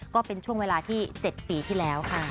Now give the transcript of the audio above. ก็เป็นช่วงเวลาที่๗ปีที่แล้วค่ะ